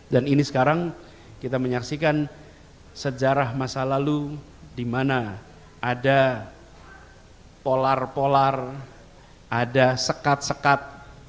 dan ini sekarang kita menyaksikan sejarah masa lalu dimana ada polar polar ada sekat sekat